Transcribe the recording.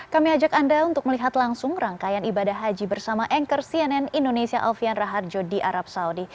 kami ajak anda untuk melihat langsung rangkaian ibadah haji bersama anchor cnn indonesia alfian raharjo di arab saudi